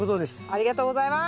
ありがとうございます！